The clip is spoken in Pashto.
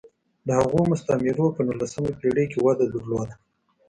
د هغو مستعمرو په نولسمه پېړۍ کې وده درلوده.